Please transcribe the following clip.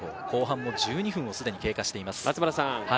後半も１２分をすでに経過しています。